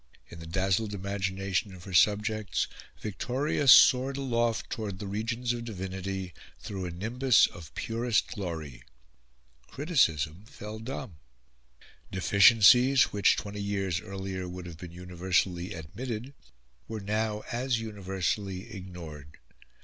In the dazzled imagination of her subjects Victoria soared aloft towards the regions of divinity through a nimbus of purest glory. Criticism fell dumb; deficiencies which, twenty years earlier, would have been universally admitted, were now as universally ignored.